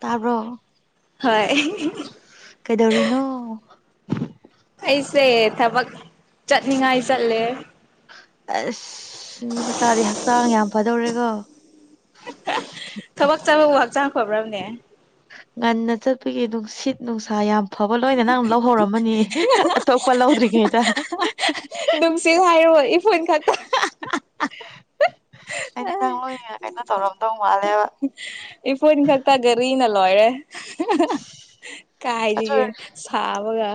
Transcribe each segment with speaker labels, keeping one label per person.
Speaker 1: ꯇꯥꯕ꯭ꯔꯣ
Speaker 2: ꯍꯣꯏ
Speaker 1: ꯀꯩꯗꯧꯔꯤꯅꯣ
Speaker 2: ꯑꯩꯁꯦ ꯊꯕꯛ ꯆꯠꯅꯤꯡꯉꯥꯏ ꯆꯠꯂꯦ
Speaker 1: ꯑꯁ ꯃꯤ ꯃꯆꯥꯗꯤ ꯍꯛꯆꯥꯡ ꯌꯥꯝ ꯐꯗꯧꯔꯦꯀꯣ
Speaker 2: ꯊꯕꯛ ꯆꯥꯕꯕꯨ ꯍꯥꯛ ꯆꯥꯡꯉ ꯐꯕ꯭ꯔꯕꯅꯦ
Speaker 1: ꯉꯟꯅ ꯆꯠꯄꯒꯤ ꯅꯨꯡꯁꯤꯠ ꯅꯨꯡꯁꯥ ꯌꯥꯝ ꯑꯐꯕ ꯂꯣꯏꯅ ꯅꯪ ꯂꯧꯍꯧꯔꯝꯃꯅꯤ ꯑꯇꯣꯞꯄ ꯂꯧꯗ꯭ꯔꯤꯉꯩꯗ
Speaker 2: ꯆꯦꯜ ꯍꯥꯏꯔꯣ ꯏꯐꯣꯟ ꯈꯛꯇ
Speaker 1: ꯍꯥꯏꯗꯤ ꯅꯪ ꯂꯣꯏꯅ ꯀꯩꯅꯣ ꯇꯧꯔꯝꯗꯧ ꯃꯥꯜꯂꯦꯕ
Speaker 2: ꯏ ꯏ ꯀꯥꯛꯛꯇ ꯀꯔꯤꯅꯂ ꯂꯣꯏꯔꯦ
Speaker 1: ꯑꯗꯨ
Speaker 2: ꯀꯥꯏꯔꯤꯒꯦ
Speaker 1: ꯑꯣꯏꯔ
Speaker 2: ꯁꯥꯕꯒ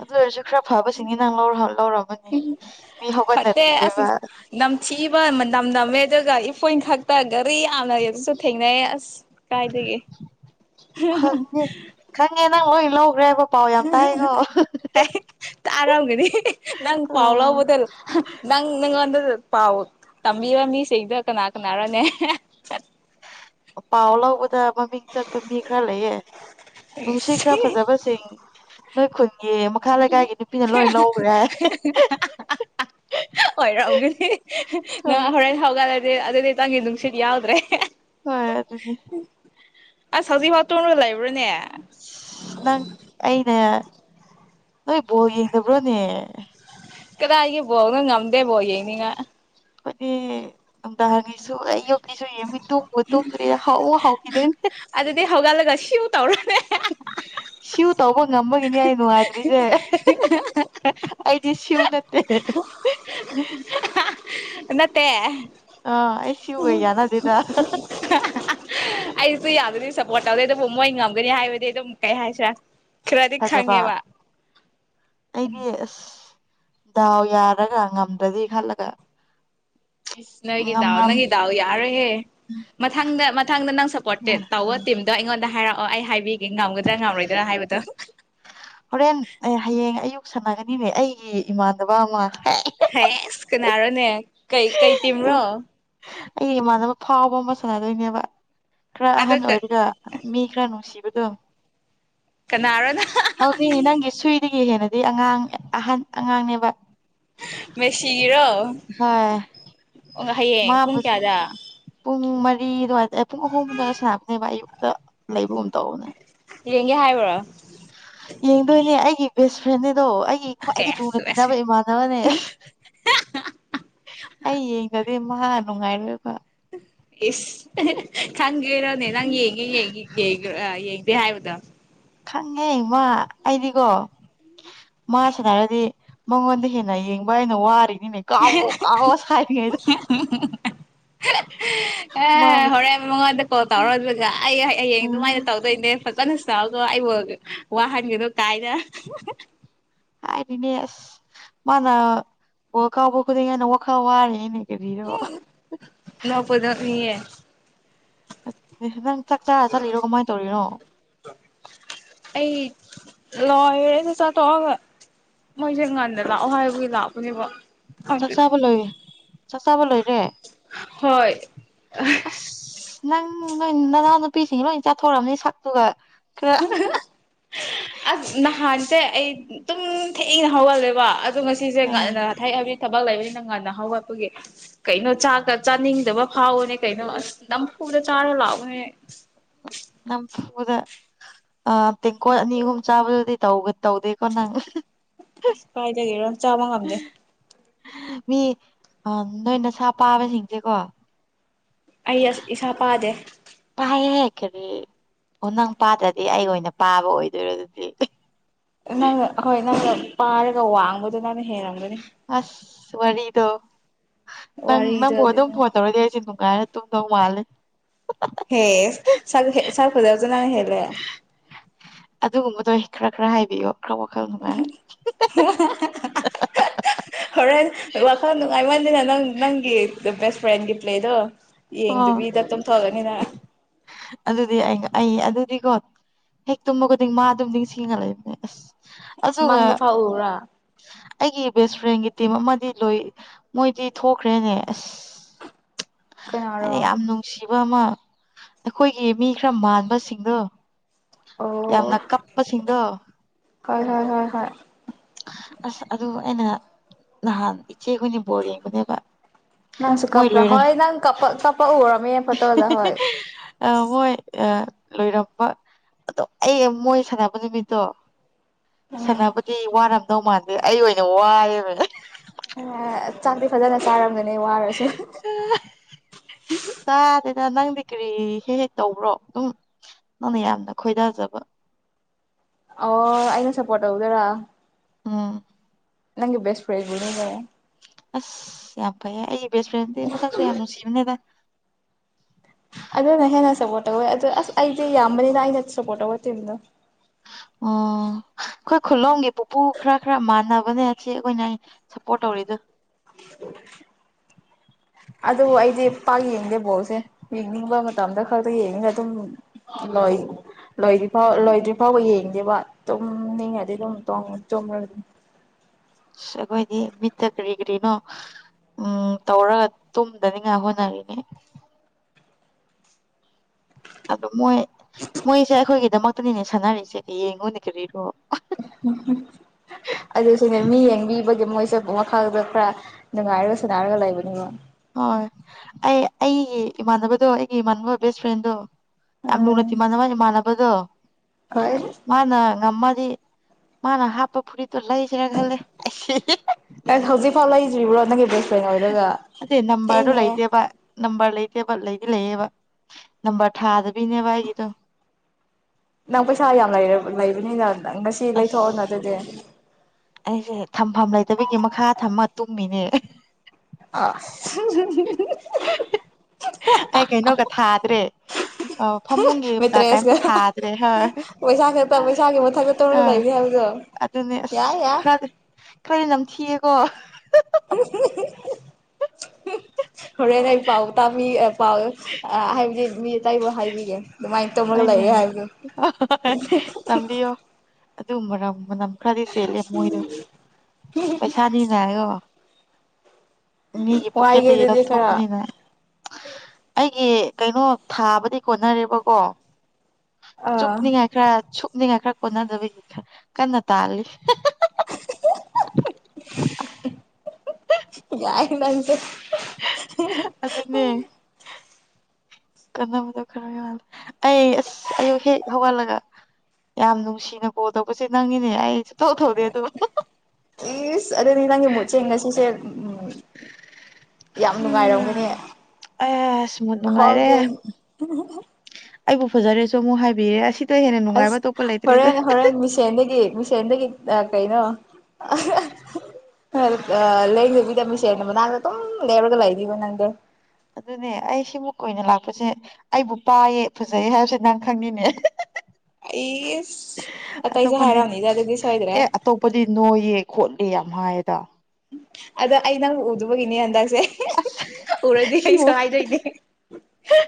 Speaker 1: ꯑꯗꯨ ꯑꯣꯏꯔꯁꯨ ꯈꯔ ꯐꯕꯁꯤꯅꯤ ꯅꯪ ꯂꯧ ꯂꯧꯔꯃꯅꯤ ꯃꯤ
Speaker 2: ꯐꯠꯇꯦ ꯑꯁ
Speaker 1: ꯍꯧꯒꯠꯅꯗ꯭ꯔꯤꯑꯕ
Speaker 2: ꯅꯝꯊꯤꯕ ꯅꯝ ꯅꯝꯃꯦ ꯑꯗꯨꯒ ꯏꯐꯣꯏꯟ ꯈꯛꯇ ꯒꯥꯔꯤ ꯌꯥꯝꯅ ꯑꯗꯨꯁꯨ ꯊꯦꯡꯅꯩꯌꯦ ꯑꯁ ꯀꯥꯏꯗꯒꯤ
Speaker 1: ꯐꯪꯉꯦ ꯈꯪꯉꯦ ꯅꯪ ꯂꯣꯏ ꯂꯧꯈ꯭ꯔꯦꯕ ꯄꯥꯎ ꯌꯥꯝ ꯇꯥꯏꯀꯣ
Speaker 2: ꯑꯔꯝꯒꯅꯤ ꯅꯪ ꯐꯥꯎ
Speaker 1: ꯎꯝ
Speaker 2: ꯂꯥꯎꯕꯗꯜ ꯅꯪ ꯅꯪ ꯑꯩꯉꯣꯟꯗ ꯄꯥꯎ ꯇꯝꯕꯤꯕ ꯃꯤꯁꯤꯡꯗ ꯀꯅꯥ ꯀꯅꯥꯔꯣꯅꯦ
Speaker 1: ꯄꯥꯎ ꯂꯧꯕꯗ ꯃꯃꯤꯡ ꯆꯠꯄ ꯃꯤ ꯈꯔ ꯂꯩꯌꯦ ꯅꯨꯡꯁꯤ ꯈꯔ ꯐꯖꯕꯁꯤꯡ ꯅꯣꯏ ꯈꯨꯟ
Speaker 2: [unintelligible] ꯑꯣꯏꯔꯝꯒꯅꯤ
Speaker 1: ꯍꯣꯏ
Speaker 2: ꯅꯪ ꯍꯣꯔꯦꯟ ꯍꯧꯥꯎꯒꯠꯂꯗꯤ ꯑꯗꯨꯗꯤꯇꯪꯒꯤ ꯅꯨꯡꯁꯤꯠ ꯌꯥꯎꯗ꯭ꯔꯦ
Speaker 1: ꯍꯣꯏ ꯌꯥ ꯑꯗꯨꯗꯤ
Speaker 2: ꯑꯁ ꯁꯖꯤ ꯍ ꯇꯒ ꯂꯩꯕ꯭ꯔꯣꯅꯦ
Speaker 1: ꯅꯪ ꯑꯩꯅ ꯅꯣꯏ ꯏꯕꯣ ꯌꯦꯡꯗꯕ꯭ꯔꯣꯅꯦ
Speaker 2: ꯀꯗꯥꯏꯒꯤ ꯄꯒꯅ ꯉꯝꯗꯦꯕꯅꯤꯉ
Speaker 1: ꯑꯩꯈꯣꯏꯗꯤ ꯅꯨꯡꯗꯥꯡ ꯍꯪꯉ ꯁ ꯑꯩꯌꯨ ꯑꯩꯁꯨ ꯌꯦꯡꯉ ꯇꯨꯝꯉ ꯇꯨꯝꯗ꯭ꯔꯦ ꯍꯥꯎꯑꯣ ꯍꯥꯎꯈꯤꯗꯣꯏꯅꯦ
Speaker 2: ꯑꯗꯨꯗꯤ ꯍꯧꯒꯠꯂꯒ ꯁꯤꯎ ꯇꯧꯔꯅꯦ
Speaker 1: ꯉꯝꯕꯒꯅꯤꯌꯥ ꯍꯥꯏ ꯅꯨꯅꯨꯡ ꯑ꯭ꯔꯤꯁꯦ ꯑꯗꯤ ꯁꯤ ꯎ ꯅꯠꯇ
Speaker 2: ꯠꯇꯦ
Speaker 1: ꯁꯤꯨ ꯀꯏ ꯌꯥꯅ ꯇꯤꯗ
Speaker 2: ꯑꯗꯨꯗꯤ ꯁꯞꯄꯣꯔꯠ ꯇꯧꯗꯦ ꯑꯗꯨꯕꯨ ꯃꯣꯏ ꯉꯝꯒꯅꯤ ꯍꯥꯏꯕꯗꯤ ꯑꯗꯨꯝ ꯀꯩ ꯍꯥꯏꯁ꯭ꯔꯥ
Speaker 1: ꯐꯖꯕ ꯑꯩꯗꯤ ꯑꯁ ꯗꯥꯎ ꯌꯥꯔꯒ ꯉꯝꯗ꯭ꯔꯗꯤ ꯈꯜꯂꯒ
Speaker 2: ꯏꯁ ꯅꯪꯒꯤꯗꯎ
Speaker 1: ꯉꯝꯔꯝ
Speaker 2: ꯅꯪꯗꯎ ꯌꯥꯔ ꯍꯦ ꯃꯊꯪꯗ ꯃꯊꯪꯗ ꯅꯪ ꯁꯞꯄꯣꯔꯇꯦꯠ ꯇꯧꯕ ꯇꯤꯝꯗꯣ ꯑꯩꯉꯣꯟꯗ ꯍꯥꯏꯔꯛꯑꯣ ꯑꯣ ꯑꯩ ꯍꯥꯏꯕꯤꯒꯦ ꯉꯝꯒꯗ꯭ꯔꯥ ꯉꯝꯔꯣꯏꯗ꯭ꯔꯥ ꯍꯥꯏꯕꯗꯣ
Speaker 1: ꯍꯣꯔꯦꯟ ꯑꯦ ꯍꯌꯦꯡ ꯑꯌꯨꯛ ꯁꯥꯟꯅꯒꯅꯤꯅꯦ ꯑꯩꯒꯤ ꯏꯃꯥꯟꯅꯕ ꯑꯃ
Speaker 2: ꯑꯦ ꯏꯁ ꯀꯅꯥꯔꯣꯅꯦ ꯀꯩ ꯀꯩ ꯇꯤꯝ꯭ꯔꯣ
Speaker 1: ꯑꯩꯒꯤ ꯏꯃꯥꯟꯅꯕ ꯐꯥꯎꯕ ꯑꯃ ꯁꯥꯟꯅꯗꯣꯏꯅꯦꯕ ꯈꯔ
Speaker 2: ꯑꯗꯣ
Speaker 1: ꯑꯍꯟ ꯑꯣꯏꯔꯒ ꯃꯤ ꯈꯔ ꯅꯨꯡꯁꯤꯕ
Speaker 2: ꯀꯅꯥꯔꯣꯅ
Speaker 1: ꯍꯗ ꯅꯪꯒꯤ ꯁꯨꯏꯗꯒꯤ ꯍꯦꯅꯦ ꯑꯗꯤ ꯑꯉꯥꯡ ꯑꯍꯟ ꯑꯉꯥꯡꯅꯦꯕ
Speaker 2: ꯃꯦꯁꯤꯒꯤꯔꯣ
Speaker 1: ꯍꯣꯏ
Speaker 2: ꯑꯣ ꯍꯌꯦꯡ ꯄꯨꯡ
Speaker 1: ꯃꯥꯕꯨ
Speaker 2: ꯀꯌꯥꯗ
Speaker 1: ꯄꯨꯡ ꯃꯔꯤ ꯑꯗꯨꯋꯥꯏꯗ ꯄꯨꯡ ꯑꯍꯨꯝ ꯑꯗꯨꯋꯥꯏꯗ ꯁꯥꯟꯅꯕꯅꯦꯕ ꯑꯌꯨꯛꯇ ꯂꯩꯕꯒꯨꯝ ꯇꯧꯕꯅꯦ
Speaker 2: ꯇꯤꯔꯦꯡꯒꯦ ꯍꯥꯏꯕ꯭ꯔꯣ
Speaker 1: ꯌꯦꯡꯗꯣꯏꯅꯦ ꯑꯩꯒꯤ ꯕꯦꯁ ꯐ꯭ꯔꯦꯟꯗ ꯑꯗꯣ ꯑꯩꯒꯤ ꯈ꯭ꯋꯥꯏꯗꯒꯤ ꯂꯨꯅ
Speaker 2: ꯑꯦꯁ ꯑꯁ
Speaker 1: ꯇꯤꯟꯅꯕ ꯏꯃꯥꯟꯅꯕꯅꯦ ꯑꯩ ꯌꯦꯡꯒꯗꯤ ꯃꯍꯥꯛ ꯅꯨꯡꯉꯥꯏꯔꯣꯏꯕ
Speaker 2: ꯏ ꯈꯪꯒꯦꯔꯣꯅꯦ ꯅꯪ ꯌꯦꯡꯉꯤ ꯌꯦꯡꯉ ꯌꯦꯡꯣ ꯌꯦꯡꯉ ꯄ ꯍꯥꯏꯕꯗ
Speaker 1: ꯈꯪꯉꯦ ꯏꯃ ꯑꯩꯗꯤꯀꯣ ꯃꯥꯁꯅ ꯍꯥꯏꯔꯗꯤ ꯃꯉꯣꯟꯗ ꯍꯦꯟꯅ ꯌꯦꯡꯕ ꯍꯥꯏꯅ ꯋꯥꯔꯤ ꯀꯥꯎꯣ ꯀꯥꯎꯣ ꯁꯗ
Speaker 2: ꯑꯦ ꯍꯣꯔꯦꯟ ꯃꯉꯣꯟꯗ ꯀꯣꯜ ꯇꯧꯔꯣ ꯑꯗꯨꯒ ꯑꯩ ꯍꯌꯦꯡ
Speaker 1: ꯎꯝ
Speaker 2: ꯑꯗꯨꯃꯥꯏꯅ ꯇꯧꯗꯣꯏꯅꯦ ꯐꯖ ꯀꯩꯅ ꯆꯗꯣ ꯑꯩꯕꯨ ꯋꯥꯍꯟꯒꯦꯗꯣ ꯀꯥꯏꯅ
Speaker 1: ꯍꯥꯏꯗꯤꯅꯦ ꯑꯁ ꯃꯥꯅ ꯕ ꯀꯥꯎꯕ ꯈꯨꯗꯤꯡ ꯍꯥꯏꯅ ꯋꯥꯈꯜ ꯋꯥꯔꯦꯅꯦ
Speaker 2: ꯎ ꯅꯄꯗꯦ
Speaker 1: ꯅꯪ ꯆꯥꯛ ꯆꯥꯔ ꯆꯠꯂꯤꯔꯣ ꯀꯃꯥꯏꯅ ꯇꯧꯔꯤꯅꯣ
Speaker 2: ꯂꯣꯏꯔꯦ ꯑ ꯅ ꯆꯥꯊꯣꯛꯑꯒ ꯃꯣꯏꯁꯦ ꯉꯥꯟꯗ ꯂꯥꯛꯑꯣ ꯍꯥꯏꯕꯒꯤ ꯂꯥꯛꯄꯅꯦꯕ
Speaker 1: ꯆꯥꯛ
Speaker 2: ꯑꯗꯨ
Speaker 1: ꯆꯕ ꯂ ꯆꯥꯛ ꯆꯕ ꯂꯅꯦꯦ
Speaker 2: ꯍꯣꯏ
Speaker 1: ꯑꯁ ꯅꯪ ꯅꯣꯏ ꯅꯅꯥꯎ ꯅꯨꯄꯤꯁꯤꯡ ꯂꯣꯏ ꯆꯥꯊꯣꯔꯛꯑꯕꯅꯤ ꯁꯛꯇꯨꯒ ꯈꯔ
Speaker 2: ꯑ ꯅꯍꯥꯟꯇ ꯑꯩ ꯑꯗꯨꯨꯝ ꯊꯦꯡꯏꯅ ꯍꯧꯒꯜꯂꯦꯕ ꯑ ꯉꯁꯤꯁꯦ
Speaker 1: ꯑꯥ
Speaker 2: ꯉꯟꯅ ꯊꯥꯏꯑꯕꯤ ꯊꯕꯛ ꯂꯩꯕꯅꯤꯅ ꯉꯟꯅ ꯍꯧꯒꯠꯄꯒꯤ ꯀꯩꯅꯣ ꯆꯥꯛ ꯆꯥꯅꯤꯡꯗꯕ ꯐꯥꯎꯕꯅꯦ ꯀꯩꯅꯣ ꯑꯁ ꯅꯝ ꯀꯔ ꯆꯥꯔꯣ ꯂꯥꯕ ꯍꯥꯏ
Speaker 1: ꯅꯝꯐꯨꯗ ꯇꯦꯡꯀꯣꯠ ꯑꯅꯤ ꯑꯍꯨꯝ ꯆꯥꯕꯗꯗꯤ ꯇꯧꯒꯗ ꯇꯧꯗ ꯀꯣ ꯅꯉ
Speaker 2: ꯑꯁ ꯀꯥꯏꯗꯒꯤꯔꯣ ꯆꯥꯕ ꯉꯝꯗꯦ
Speaker 1: ꯃꯤ ꯅꯣꯏ ꯅ ꯁꯥ ꯄꯥꯕꯁꯤꯡꯁꯦꯀꯣ
Speaker 2: ꯑꯩ ꯑꯁ ꯏꯁꯥ ꯄꯥꯗꯦ
Speaker 1: ꯑꯩ ꯀꯔꯤ ꯅꯪ ꯄꯥꯗ꯭ꯔꯗꯤ ꯑꯩ ꯑꯣꯏꯅ ꯄꯥꯕ ꯑꯣꯏꯗꯣꯏꯔꯣ ꯑꯗꯨꯗꯤ
Speaker 2: ꯅꯪꯅ ꯑꯩꯣꯏ ꯅꯪꯅ ꯄꯥꯔꯒ ꯋꯥꯡꯕꯗꯣ ꯅꯪ
Speaker 1: ꯑꯁ ꯋꯥꯔꯤꯗꯣ ꯅꯪ
Speaker 2: ꯋꯥꯔꯤꯗꯣ
Speaker 1: ꯅꯪꯕꯨ ꯑꯗꯨꯝ
Speaker 2: ꯑꯗꯨꯅꯦ
Speaker 1: ꯐꯣꯟ ꯇꯧꯔꯗꯤ ꯑꯩꯁꯦ ꯅꯨꯡꯉꯥꯏꯔ ꯇꯨꯗꯧ ꯃꯥꯂꯦ
Speaker 2: ꯍꯦ ꯁ ꯍ ꯁꯔꯐꯖꯎꯖꯅꯅ ꯍꯦꯂ
Speaker 1: ꯑꯗꯨꯒꯨꯝꯕꯗꯣ ꯑꯩ ꯈꯔ ꯈꯔ ꯍꯥꯏꯕꯤꯌꯣ ꯭ꯔ ꯈꯉꯥꯏ [unintelligible] [inaudible]
Speaker 2: ꯍꯣꯔꯦꯟ ꯋꯥꯈꯜ ꯅꯨꯡꯉꯥꯏꯃꯟꯗꯦꯅ ꯅꯪ ꯅꯪꯒꯤ ꯕꯦꯁ ꯐ꯭ꯔꯦꯟꯒꯤ ꯄ꯭ꯂꯦꯗꯣ
Speaker 1: ꯑꯣ
Speaker 2: ꯌꯦꯡꯗꯨꯕꯤꯗ ꯑꯗꯨꯝ ꯊꯣꯛꯒꯅꯤꯅ
Speaker 1: ꯑꯗꯨꯗꯤ ꯑꯩ ꯑꯩ ꯑꯗꯨꯗꯤꯀꯣ ꯍꯦꯛ ꯇꯨꯝꯕ ꯈꯨꯗꯤꯡ ꯃꯥ ꯑꯗꯨꯝꯗꯤꯡ ꯁꯦꯡꯒꯠꯂꯛꯏꯕꯅꯦ ꯑꯁ
Speaker 2: ꯑꯁ
Speaker 1: ꯑꯗꯨꯒ
Speaker 2: ꯃꯥꯡꯗ ꯐꯥꯎ ꯎꯕ꯭ꯔꯥ
Speaker 1: ꯑꯩꯒꯤ ꯕꯦꯁ ꯐ꯭ꯔꯦꯟꯒꯤ ꯇꯤꯝ ꯑꯃꯗꯤ ꯂꯣꯏ ꯃꯣꯏꯗꯤ ꯊꯣꯛꯈ꯭ꯔꯦꯅꯦ ꯑꯁ
Speaker 2: ꯀꯅꯥꯔꯣ
Speaker 1: ꯑꯗ ꯌꯥꯝ
Speaker 2: ꯑꯣ
Speaker 1: ꯅꯨꯡꯁꯤꯕ ꯑꯃ ꯑꯩꯈꯣꯏꯒꯤ ꯃꯤ ꯈꯔ ꯃꯥꯟꯕꯁꯤꯡꯗꯣ ꯌꯥꯝꯅ ꯀꯞꯄꯁꯤꯡꯗꯣ
Speaker 2: ꯍꯣꯏ ꯍꯣꯏ ꯍꯣꯏ ꯍꯣꯏ
Speaker 1: ꯑꯁ ꯑꯗꯨ ꯑꯩꯅ ꯅꯍꯥꯟ ꯏꯆꯦꯈꯣꯏꯅ ꯕꯣꯔ ꯌꯦꯡꯕꯅꯦꯕ
Speaker 2: ꯅꯪꯁꯨ ꯀꯄ꯭ꯔꯥ ꯍꯣꯏ ꯅꯪ ꯀ ꯀ
Speaker 1: ꯑ ꯃꯣꯏ ꯑ ꯂꯣꯏꯔꯝꯕ ꯑꯗꯣ ꯑꯩ ꯃꯣꯏ ꯁꯥꯟꯅꯕ ꯅꯨꯃꯤꯠꯇꯣ
Speaker 2: ꯎꯝ
Speaker 1: ꯁꯥꯟꯅꯕꯗꯤ ꯋꯥꯔꯝꯗꯧ ꯃꯥꯟꯗꯦ ꯑꯩ ꯑꯣꯏꯅ ꯋꯥꯏꯌꯦꯕꯅꯦ
Speaker 2: ꯆꯥꯛꯇꯔꯤ ꯐꯖꯅ ꯆꯥꯔꯝꯅꯦ ꯋꯥꯔꯁ
Speaker 1: ꯅꯪ ꯗꯤ ꯀ꯭ꯔꯤ ꯍꯦꯛ ꯍꯦꯛ ꯇꯧꯕ꯭ꯔꯣ ꯑꯗꯨꯝ ꯅꯪꯅ ꯌꯥꯝꯅ ꯈꯣꯏꯗꯥꯖꯕ [unintelligible] [inaudible]
Speaker 2: ꯑꯣ ꯑꯩꯅ ꯁꯞꯄꯣꯔꯠ ꯇꯧꯗꯣꯏꯔꯥ
Speaker 1: ꯑꯥ [unintelligible] [inaudible]
Speaker 2: ꯅꯪꯒꯤ ꯦꯁ ꯐ꯭ꯔ
Speaker 1: ꯑꯁ ꯌꯥꯝ ꯐꯩꯌꯦ ꯑꯩ ꯦꯁ ꯐ꯭ꯔꯦꯟꯗꯤꯦ ꯃꯁꯛꯁꯨ ꯌꯥꯝꯅꯅꯨꯡ ꯁꯤꯕꯅꯦꯗ
Speaker 2: ꯑꯗꯨꯅ ꯍꯦꯟꯅ ꯁꯞꯄꯣꯔꯠ ꯇꯧꯋꯦ ꯑꯗꯨ ꯑꯁ ꯑꯩꯗꯤ ꯌꯥꯝꯕꯅꯤꯅ ꯑꯩꯅ ꯁꯞꯄꯣꯔꯠ ꯇꯧꯋꯦ ꯇꯤꯕꯗꯣ
Speaker 1: ꯑꯣ ꯑꯩꯈꯣꯏ ꯈꯨꯂꯣꯝꯒꯤ ꯄꯨꯄꯨ ꯈꯔ ꯈꯔ ꯃꯥꯟꯅꯕꯅꯦ ꯑꯁꯤ ꯑꯩꯈꯣꯏꯅ ꯁꯞꯄꯣꯔꯠ ꯇꯧꯔꯤꯗꯣ
Speaker 2: ꯑꯗꯨ ꯑꯩꯗꯤ ꯄ ꯌꯦꯡꯗꯦ ꯕꯧꯁꯦ ꯌꯦꯡꯅꯤꯡꯕ ꯃꯇꯝꯗ ꯈꯛꯇ ꯌꯦꯡꯅꯤꯡꯅ ꯑꯗꯨꯝ ꯂꯣꯏ ꯂꯣꯏꯗ꯭ ꯐꯥꯎ ꯂꯣꯏꯗ꯭ꯔꯤ ꯐꯥꯎꯕ ꯌꯦꯡꯉꯤ ꯗꯤ ꯋꯥ ꯇꯣꯡꯅꯤꯡ ꯍꯥꯏꯗꯤ ꯑꯗꯨꯝ ꯇꯣꯡ ꯇꯣꯡꯉ
Speaker 1: ꯑꯩꯈꯣꯏꯗꯤ ꯃꯤꯠꯇ ꯀꯔꯤ ꯀꯔꯤꯅꯣ ꯎꯝ ꯇꯧꯔꯒ ꯇꯨꯝꯗꯅꯤꯉꯥꯏ ꯍꯣꯠꯅꯔꯤꯅꯦ ꯑꯗꯨ ꯃꯣꯏ ꯃꯣꯏꯁꯦ ꯑꯩꯈꯣꯏꯒꯤꯗꯃꯛꯇꯅꯤꯅꯦ ꯁꯥꯟꯅꯔꯤꯛꯁꯦ ꯌꯦꯡꯉꯨꯅꯦ ꯀꯔꯤꯅꯣ
Speaker 2: ꯎ ꯑꯗꯨꯁꯨꯅꯦ ꯃꯤ ꯌꯦꯡꯕꯤ ꯑꯩꯒꯤ ꯃꯣꯏꯁꯦ ꯃꯈꯥꯗ ꯈꯔ ꯅꯨꯡꯉꯥꯏꯔꯒ ꯁꯨꯅꯥꯔꯒ ꯂꯩꯕꯅꯤꯅ
Speaker 1: ꯍꯣꯏ ꯑꯩ ꯑꯩꯒꯤ ꯏꯃꯥꯟꯅꯕꯗꯣ ꯑꯩꯒꯤ ꯏꯃꯥꯟꯅꯕ ꯕꯦꯁ ꯐ꯭ꯔꯦꯟꯗꯣ ꯌꯥꯝꯅ ꯃꯇꯨꯡꯏꯟꯅ
Speaker 2: ꯎꯝ
Speaker 1: ꯃꯥꯅ ꯃꯥꯅꯤ ꯃꯥꯅꯕꯗꯨꯣ
Speaker 2: ꯍꯣꯏ
Speaker 1: ꯉꯃꯗꯤ ꯃꯥꯅ ꯍꯥꯞꯄ ꯐꯨꯔꯤꯠꯇꯣ ꯂꯩꯁꯔꯥ ꯈꯜꯂꯦ
Speaker 2: ꯑꯁ ꯍꯧꯖꯤꯛꯐꯥꯎ ꯂꯩꯗ꯭ꯔꯤꯕ꯭ꯔꯣ ꯅꯪꯒꯤ ꯕꯦꯁ ꯐ꯭ꯔꯦꯟ ꯑꯣꯏꯔꯒ
Speaker 1: ꯑ ꯅꯝꯕꯔꯗꯨꯣ
Speaker 2: ꯊꯦꯡꯉꯦ
Speaker 1: ꯂꯩꯇꯦꯕ ꯅꯝꯕꯔ ꯂꯩꯇꯦꯕ ꯂꯩ ꯂꯩꯌꯦꯕ ꯅꯝꯕꯔ ꯊꯥꯗꯕꯤꯅꯦꯕ ꯑꯩꯒꯤꯗꯣ
Speaker 2: ꯅꯪ ꯄꯩꯁꯥ ꯌꯥꯝ ꯂꯩ ꯂꯩꯕꯅꯤꯅ ꯉꯁꯤ
Speaker 1: ꯑꯁ
Speaker 2: ꯂꯩꯊꯣꯛꯑꯣꯅ ꯑꯗꯨꯗꯤ
Speaker 1: ꯑꯩꯁꯦ ꯊꯝꯐꯝ ꯂꯩꯇꯕꯤꯒꯤ ꯃꯈꯥ ꯊꯝꯃ ꯇꯨꯝꯃꯤꯅꯦ
Speaker 2: ꯑ
Speaker 1: ꯑꯩ ꯀꯩꯅꯣꯒ ꯊꯥꯗ꯭ꯔꯦ ꯑ ꯐꯃꯨꯡꯒꯤ ꯀ ꯀꯩꯝꯇ
Speaker 2: ꯃꯦꯇ꯭ꯔꯦꯁꯀ
Speaker 1: ꯊꯥꯗ꯭ꯔꯦ ꯍꯣꯏ
Speaker 2: ꯄꯩꯁꯥ
Speaker 1: ꯑ
Speaker 2: ꯈꯛꯇ ꯄꯩꯁꯥꯒꯤ ꯃꯊꯛꯇ
Speaker 1: ꯑ
Speaker 2: ꯇꯧꯔꯒ ꯂꯩꯕꯅꯤ ꯍꯥꯏꯕꯗꯣ
Speaker 1: ꯑꯗꯨ ꯑꯗꯨꯁ
Speaker 2: ꯌꯥꯏ ꯌꯥꯏ
Speaker 1: ꯈꯔꯗ ꯀꯔ ꯅꯝ ꯊꯤꯌꯦꯀꯣ
Speaker 2: ꯍꯔꯦ ꯊ ꯄꯥꯎ ꯇ ꯃꯤ ꯄꯥꯎꯋꯦ ꯍꯥꯏꯕꯗꯤ ꯃꯤ ꯑꯇꯥꯏꯕ ꯍꯥꯏꯕꯤꯒꯦ ꯑꯗꯨꯃꯥꯏꯅ ꯇꯧꯃꯒ
Speaker 1: ꯍꯣꯏꯅꯦ
Speaker 2: ꯂꯩꯔꯦ ꯍꯥꯏꯁꯨ
Speaker 1: ꯍꯣꯏ ꯇꯝꯕꯤꯌꯣ ꯑꯗꯨ ꯃꯔꯝ ꯃꯅꯝ ꯈꯔꯗꯤ ꯆꯦꯠꯂꯦ ꯃꯣꯏꯗꯣ ꯄꯩꯁꯥꯅꯤꯅ ꯍꯥꯏꯔꯣ ꯃꯤꯒꯤ
Speaker 2: ꯋꯥꯏꯒꯦ
Speaker 1: ꯄꯣꯀꯦꯠꯇꯒꯤ
Speaker 2: ꯑꯗꯨꯗꯤ ꯈꯔ
Speaker 1: ꯂꯧꯊꯣꯛꯄꯅꯤꯅ ꯑꯩꯒꯤ ꯀꯩꯅꯣ ꯊꯥꯕꯗꯤ ꯀꯣꯟꯅꯔꯦꯕꯀꯣ
Speaker 2: ꯑꯥ
Speaker 1: ꯆꯨꯞꯅꯤꯡꯉꯥꯏ ꯈꯔ ꯆꯨꯞꯅꯤꯡꯉꯥꯏ ꯈꯔ ꯀꯣꯟꯅꯗꯕꯅꯤ ꯈ ꯀꯟꯅ ꯇꯥꯜꯂꯤ
Speaker 2: ꯌꯥꯥꯏ ꯅꯁ
Speaker 1: ꯑꯗꯨ ꯑꯗꯨꯅꯦ ꯀꯗ ꯈꯔ ꯑꯩ ꯑꯁ ꯑꯌꯨꯛ ꯍꯦꯛ ꯍꯧꯒꯠꯜꯂꯒ ꯌꯥꯝ ꯅꯨꯡꯁꯤꯅ ꯀꯣ ꯇꯧꯕꯁꯦ ꯅꯪꯅꯤꯅꯦ ꯑꯩ ꯁꯧ ꯊꯧꯗꯦ ꯇꯨ
Speaker 2: ꯏꯁ ꯑꯗꯨꯗꯤ ꯅꯪꯒꯤ ꯃꯨꯠꯁꯦ ꯉꯁꯤꯁꯦ ꯎꯝ ꯌꯥꯝ ꯅꯨꯡꯉꯥꯏꯔꯝꯒꯅꯦ
Speaker 1: ꯑꯁ ꯅꯨꯡꯉꯥꯏꯔꯦ ꯑꯩꯕꯨ ꯐꯖꯔꯦꯁꯨ ꯑꯃꯨꯛ ꯍꯥꯏꯕꯤꯔꯦ ꯑꯁꯤ
Speaker 2: ꯑꯁ ꯍꯣꯔꯦꯟ ꯍꯣꯔꯦꯟ ꯃꯤꯁꯗꯗꯒꯤ ꯃꯤꯁꯦꯟꯗꯒꯤ ꯑ ꯀꯩꯅꯣ ꯂꯩꯗꯕꯤꯗ ꯃꯤꯁꯦꯅ ꯃ ꯅꯪꯗ ꯑꯗꯨꯝ ꯂꯩꯔꯒ ꯂꯩꯕ ꯅꯪꯗꯦ
Speaker 1: ꯑꯗꯨꯅꯦ ꯑꯩ ꯁꯤꯃꯨꯛꯏ ꯑꯣꯏꯅ ꯂꯥꯛꯄꯁꯦ ꯑꯩꯕꯨ ꯄꯥꯏꯌꯦ ꯐꯖꯩꯑ ꯍꯥꯏꯕꯁꯦ ꯅꯪ ꯈꯪꯅꯤꯡꯅꯦ
Speaker 2: ꯑꯩꯁ ꯑꯇꯩꯁꯨ
Speaker 1: ꯑꯇꯣꯞꯄꯅꯤ
Speaker 2: ꯍꯥꯏꯔꯝꯅꯤꯗ ꯑꯗꯨꯗꯤ ꯁꯣꯏꯗ꯭ꯔꯦ
Speaker 1: ꯑꯦ ꯑꯇꯣꯞꯄꯗꯤ ꯅꯣꯏꯌꯦ ꯈꯣꯠꯂꯨ ꯑꯦ ꯌꯥꯝ ꯍꯥꯏꯌꯦꯗ
Speaker 2: ꯑꯗ ꯑꯩ ꯅꯪ ꯎꯗꯕꯒꯤꯅꯦ ꯍꯟꯗꯛ ꯦ ꯎꯔꯗꯤ
Speaker 1: ꯁꯤꯕꯨ
Speaker 2: ꯀꯩꯁꯨ ꯍꯥꯏꯗꯣꯏꯅꯦ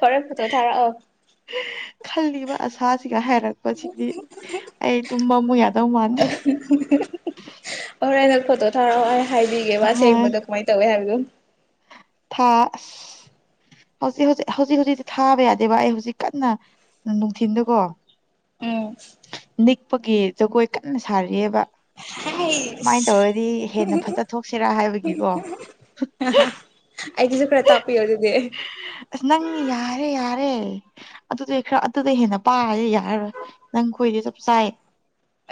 Speaker 2: ꯍꯔꯦ ꯐꯇ ꯊꯔ ꯑ
Speaker 1: ꯁꯤꯒ ꯍꯥꯏꯔꯛꯄꯁꯤꯗꯤ ꯑꯩ ꯇꯨꯝꯕ ꯑꯃꯨꯛ ꯌꯥꯗꯧ ꯃꯥꯥꯟꯜꯂꯦ
Speaker 2: [inaudible] ꯐꯣꯇꯣ ꯊꯥꯔꯛꯑꯣ ꯑꯩ ꯍꯥꯏꯕꯤꯒꯦꯕ
Speaker 1: ꯍꯣꯏ
Speaker 2: ꯑꯁꯦꯡꯕꯗꯣ ꯀꯃꯥꯏꯅ ꯇꯧꯋꯦ ꯍꯥꯏꯕꯗꯣ
Speaker 1: ꯍ ꯍꯧꯖꯤꯛ ꯍꯧꯖꯤꯛ ꯍꯧꯖꯤꯛ ꯍꯧꯖꯤꯛꯇꯤ ꯊꯥꯕ ꯌꯥꯗꯦꯕ ꯑꯩ ꯍꯧꯖꯤꯛ ꯀꯟꯅ ꯅꯨꯡꯊꯤꯤꯟꯗꯀꯣ
Speaker 2: ꯎꯝ
Speaker 1: ꯅꯤꯛꯄꯒꯤ ꯖꯒꯣꯏ ꯀꯟꯅ ꯁꯥꯔꯤꯑꯕ ꯀꯃꯥꯏꯅ
Speaker 2: ꯍꯥꯏꯁ
Speaker 1: ꯇꯧꯔꯗꯤ ꯍꯦꯟꯅ ꯐꯖ ꯊꯣꯛꯁꯤꯔꯥ ꯍꯥꯏꯕꯒꯤꯀꯣ
Speaker 2: ꯑꯩꯒꯤꯁꯨ ꯈꯔ ꯇꯥꯛꯄꯤꯌꯣ ꯑꯗꯨꯗꯤ
Speaker 1: ꯑꯁ ꯅꯪꯅꯤ ꯌꯥꯔꯦ ꯌꯥꯔꯦ ꯑꯗꯨꯗꯤ ꯈꯔ ꯑꯗꯨꯗ ꯍꯦꯟꯅ ꯄꯥꯔꯗꯤ ꯌꯥꯔꯔꯣꯏ ꯅꯪ ꯈꯣꯏꯗꯤ ꯆꯞ ꯆꯥꯏ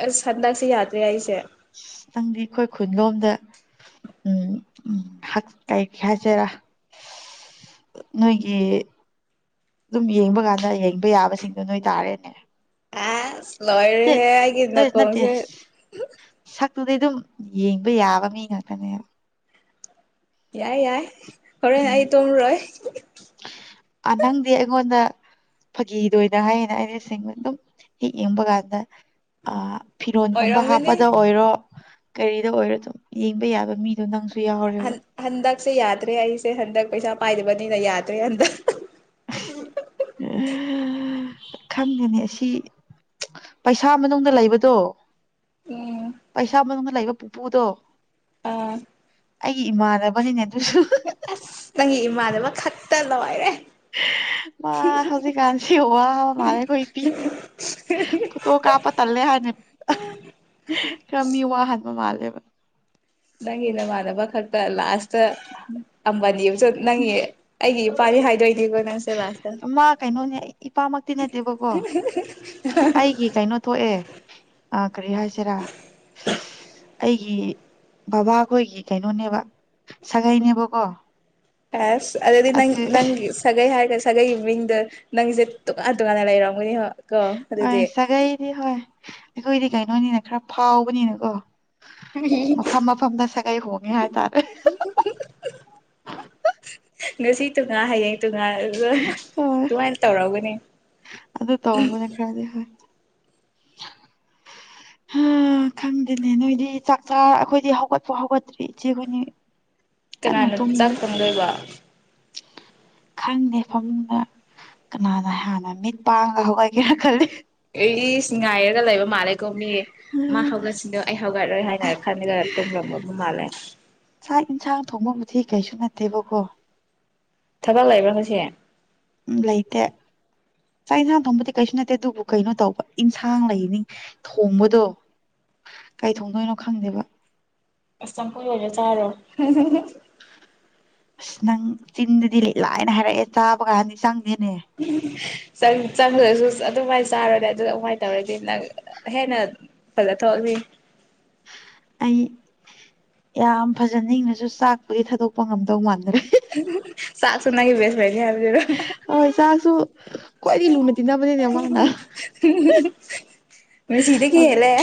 Speaker 2: ꯑ ꯁꯗꯁꯤ ꯌꯥꯗ꯭ꯔ ꯌꯥꯏꯁꯦ
Speaker 1: ꯑ ꯅꯪꯗꯤ ꯑꯩꯈꯣꯏ ꯈꯨꯟꯂꯣꯝꯗ ꯎꯝ ꯎ ꯀꯥꯏꯒꯤ ꯍꯖꯔ ꯅꯣꯏꯒꯤ ꯑꯗꯨꯝ ꯌꯦꯡꯕ ꯀꯥꯟꯗ ꯌꯦꯡꯕ ꯌꯥꯕꯁꯤꯡꯗꯨꯣ ꯅꯣꯏ ꯇꯥꯔꯦꯅꯦ
Speaker 2: ꯑꯁ ꯂꯣꯏꯔꯦꯍꯦ ꯑꯩꯒꯤ
Speaker 1: ꯅꯠꯇ
Speaker 2: ꯅꯥꯀꯣꯡꯁꯦ
Speaker 1: ꯇꯨꯗꯤꯩ ꯑꯗꯨꯝ ꯌꯦꯡꯕ ꯌꯥꯕ ꯃꯤ ꯉꯥꯛꯇꯅꯦꯕ
Speaker 2: ꯌꯥꯏ ꯌꯥꯏ ꯍꯣꯔꯦꯟ ꯑꯩ
Speaker 1: ꯎꯝ
Speaker 2: ꯇꯣꯡꯔꯣꯏ
Speaker 1: ꯅꯪꯗꯤ ꯑꯩꯉꯣꯟꯗ ꯐꯥꯒꯤꯗꯣꯏꯅ ꯍꯥꯏꯌꯦꯅ ꯑꯩꯅꯦꯡ ꯑꯗꯨꯝ ꯍꯦꯛ ꯌꯦꯡꯕ ꯀꯥꯟꯗ ꯑ ꯐꯤꯔꯣꯟꯒꯨꯝꯕ
Speaker 2: ꯑꯣꯏꯔꯝꯒꯅꯤ
Speaker 1: ꯍꯥꯞꯄꯗ ꯑꯣꯏꯔꯣ ꯀꯔꯤꯗ ꯑꯣꯏꯔꯣ ꯑꯗꯨꯝ ꯌꯦꯡꯕ ꯌꯥꯕ ꯃꯤ
Speaker 2: ꯍꯟꯗꯛꯁꯦ ꯌꯥꯗ꯭ꯔꯦ ꯑꯩꯁꯦ ꯍꯟꯗꯛ ꯄꯩꯁꯥ ꯄꯥꯏꯗꯔꯤꯕꯅꯤꯅ ꯌꯥꯗ꯭ꯔꯦ ꯍꯟꯗꯛ
Speaker 1: ꯑ ꯈꯪꯗꯅꯦ ꯁꯤ ꯄꯩꯁꯥ ꯃꯅꯨꯡꯗ ꯂꯩꯕꯗꯣ
Speaker 2: ꯎꯝ
Speaker 1: ꯄꯩꯁꯥ ꯃꯅꯨꯡꯗ ꯂꯩꯕ ꯄꯨꯄꯨꯗꯣ
Speaker 2: ꯑꯥ
Speaker 1: ꯑꯩꯒꯤ ꯏꯃꯥꯟꯅꯕꯅꯤꯅꯦ ꯑꯗꯨꯁꯨ
Speaker 2: ꯑꯁ ꯅꯪꯒꯤ ꯏꯃꯥꯅꯦꯕ ꯈꯛꯇ ꯂꯉꯥꯏꯔꯦ
Speaker 1: ꯃꯥ ꯍꯧꯖꯤꯛ ꯀꯥꯟꯁꯤ ꯍ ꯃꯥꯅꯦꯦ ꯀꯕꯤ [unintelligible] ꯐꯣꯠꯇꯣ ꯀꯥꯞꯄ ꯇꯜꯂꯦ ꯍꯥꯏꯅꯤ ꯈꯔ ꯃꯤ ꯋꯥꯍꯅꯤ ꯃ ꯃꯥꯂꯦꯕ
Speaker 2: ꯅꯪꯒꯤ ꯅꯃꯥꯟꯅꯕ ꯈꯛꯇ ꯂꯥꯁꯇ ꯑꯕꯥꯅꯤ ꯅꯪꯒꯤ ꯑꯩꯒꯤ ꯐꯔ ꯍꯥꯏꯗꯣꯏ
Speaker 1: ꯃꯥ ꯀꯩꯅꯣꯅꯦ ꯏꯄꯥꯃꯛꯇꯤ ꯅꯠꯇꯦꯕꯀꯣ ꯑꯩꯒꯤ ꯀꯩꯅꯣ ꯊꯣꯛꯑꯦ ꯑ ꯀꯔꯤ ꯍꯥꯏꯁꯤꯔꯥ ꯑꯩꯒꯤ ꯕꯕꯥꯈꯣꯏꯒꯤ ꯀꯩꯅꯣꯅꯦꯕ ꯁꯥꯒꯩꯅꯦꯕꯀꯣ
Speaker 2: ꯄꯁ ꯑꯗꯤ ꯅꯪ
Speaker 1: ꯑꯗꯨ
Speaker 2: ꯅꯪ ꯁꯒꯩ ꯍꯥꯏꯒꯁꯦ ꯁꯥꯒꯩꯒꯤ ꯃꯤꯡꯗꯣ ꯅꯪꯁꯦ ꯇꯣꯉꯥꯟ ꯇꯣꯉꯥꯟꯅ ꯂꯩꯔꯝꯒꯅꯤ ꯍꯣ
Speaker 1: ꯍꯣꯏ ꯁꯥꯒꯩꯗꯤ ꯍꯣꯏ ꯑꯩꯈꯣꯏꯗꯤ ꯀꯩꯅꯣꯅꯤꯅ ꯈꯔ ꯐꯥꯎꯕꯅꯤꯅꯀꯣ ꯃꯐꯝ ꯃꯐꯝꯗ ꯁꯒꯩ ꯍꯣꯡꯉꯦ ꯍꯥꯏꯇꯥꯔꯦ [unintelligible]
Speaker 2: ꯉꯁꯤ ꯇꯨ ꯉ ꯍꯌꯦꯡ ꯇꯨꯉꯥ ꯑꯗꯨꯒ
Speaker 1: ꯍꯣꯏ
Speaker 2: ꯑꯗꯨꯃꯥꯏꯅ ꯇꯧꯔꯒꯅꯤ
Speaker 1: ꯑꯗꯨ ꯇꯧꯕꯅꯦ ꯈꯔꯗꯤ ꯍ ꯑ ꯈꯪꯗꯦꯅꯦ ꯅꯣꯏꯗꯤ ꯆꯥꯛ ꯆꯥ ꯑꯩꯈꯣꯏꯗꯤ ꯍꯧꯒꯠꯄꯥꯎ ꯍꯧꯒꯠꯇ꯭ꯔꯤ ꯏꯆꯦ ꯑꯩꯈꯣꯏꯅꯤ
Speaker 2: ꯀꯅꯥꯅ ꯆꯥꯛꯀꯝꯗꯣꯏꯕ
Speaker 1: [unintelligible] ꯈꯪꯗꯦ ꯐꯃꯨꯡꯗ ꯀꯅꯥꯅ ꯍꯥꯟꯅ ꯃꯤꯠ ꯄꯥꯡꯒ ꯍꯧꯒꯠꯒꯦꯅ ꯈꯜꯜꯂꯤ
Speaker 2: ꯉꯥꯏꯔꯒ ꯂꯩꯕ ꯃꯥꯜꯂꯦꯀꯣ ꯃꯤ ꯃꯥ ꯍꯧꯒꯠꯁꯤꯅꯨ ꯑꯩ ꯍꯧꯒꯠꯂꯣꯏ ꯍꯥꯏꯅ ꯈꯜꯂꯒ ꯇꯨꯝꯂꯝꯒꯕ ꯃꯥꯜꯂꯦ
Speaker 1: ꯆꯥꯛ ꯏꯟꯁꯥꯡ ꯊꯣꯡꯕꯕꯨꯗꯤ ꯀꯩꯁꯨ ꯅꯠꯇꯦꯕꯀꯣ
Speaker 2: ꯊꯕꯥꯛ ꯂꯩꯕ꯭ꯔꯥ ꯍꯧꯁꯦ
Speaker 1: ꯎ ꯂꯩꯇꯦ ꯆꯥꯛ ꯌꯦꯟꯁꯥꯡ ꯊꯣꯡꯕꯗꯤ ꯀꯩꯁꯨ ꯅꯠꯇꯦ ꯑꯗꯨꯕꯨ ꯀꯩꯅꯣ ꯇꯧꯕ ꯏꯟꯁꯥꯡ ꯂꯩꯅꯤꯡ ꯊꯣꯡꯕꯗꯣ ꯀꯩ ꯊꯣꯡꯗꯣꯏꯅꯣ ꯈꯪꯗꯦꯕ
Speaker 2: ꯑꯁꯇꯪꯄ ꯑꯣꯏꯦ ꯆꯥꯔꯣ
Speaker 1: ꯑꯁ ꯅꯪ ꯆꯤꯟꯗꯗꯤ ꯂꯤꯠꯂꯥꯏꯅ ꯍꯥꯏꯔꯛꯑꯦ ꯆꯥꯕ ꯀꯥꯟꯅꯤ ꯆꯪꯗꯅ
Speaker 2: ꯆꯥꯡ ꯆꯥꯡꯂ ꯁ ꯑꯗꯨꯃꯥꯏꯅ ꯆꯥꯔꯨꯔꯗꯤ ꯑꯗꯨꯗ ꯑꯗꯨꯃꯥꯏꯅ ꯇꯧꯔꯗꯤ ꯅꯪ ꯍꯦꯟꯅ ꯐꯖ ꯊꯣꯛꯑꯅꯤ
Speaker 1: [inaudible] ꯑꯩ ꯌꯥꯝ ꯐꯖꯅꯪꯅꯁꯨ ꯆꯥꯛꯄꯒꯤ ꯊꯥꯗꯣꯛꯄ ꯉꯝꯗꯧ ꯃꯥꯟꯗ꯭ꯔꯦ
Speaker 2: ꯆꯥꯛꯁꯨꯅꯒ ꯦꯁ ꯍꯥꯏꯗꯤ ꯍꯥꯏꯔꯣ
Speaker 1: ꯍꯣꯏ ꯆꯥꯛꯁꯨ ꯈ꯭ꯋꯥꯏꯗꯒꯤꯩ ꯂꯨꯅ ꯇꯤꯟꯅꯕꯅꯤꯅꯦ ꯃꯥꯅ
Speaker 2: ꯃꯤꯁꯤꯗ ꯀꯦꯂ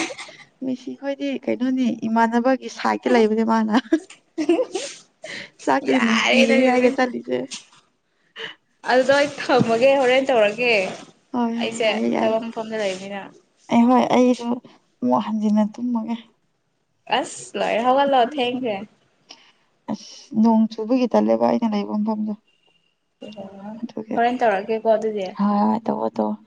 Speaker 1: ꯑꯩꯈꯣꯏꯗꯤ ꯀꯩꯅꯣꯅꯤ ꯏꯃꯥꯟꯅꯕꯒꯤ ꯁꯥꯏꯗꯀꯤ ꯂꯩꯕꯅꯦ ꯃꯥꯅ ꯆꯀꯔꯤ ꯅ ꯎ
Speaker 2: ꯌꯥꯔꯦ
Speaker 1: ꯌꯥꯒꯦ
Speaker 2: ꯅꯪꯒꯤꯁꯦ
Speaker 1: ꯆꯂꯤꯁꯦ
Speaker 2: ꯑꯗꯨꯗꯣ ꯑꯩ ꯊꯝꯃꯒꯦ ꯍꯣꯔꯦꯟ ꯇꯧꯔꯒꯦ
Speaker 1: ꯍꯣꯏ ꯍꯣꯏ
Speaker 2: ꯑꯩꯁꯦ
Speaker 1: ꯌꯥꯏꯌꯦ ꯌꯥꯏꯌꯦ
Speaker 2: ꯊꯕꯛ ꯃꯐꯝꯗ ꯂꯩꯅꯤꯅ
Speaker 1: ꯑꯩ ꯍꯣꯏ ꯑꯩꯁꯨ ꯑꯃꯨꯛ ꯍꯟꯖꯤꯟꯅ ꯇꯨꯝꯃꯒꯦ
Speaker 2: ꯑꯁ ꯂꯣꯏ ꯍꯕ ꯂꯣ ꯊꯦꯡꯨ
Speaker 1: ꯅꯣꯡ ꯆꯨꯕꯒꯤ ꯇꯜꯂꯦꯕ ꯑꯩꯅ ꯂꯩꯕ ꯃꯐꯝꯗꯣ
Speaker 2: ꯑꯣ
Speaker 1: ꯑꯗꯨꯒꯤ
Speaker 2: ꯍꯣꯔꯦꯟ ꯇꯧꯔꯛꯀꯦꯀꯣ ꯑꯗꯨꯗꯤ
Speaker 1: ꯇꯣ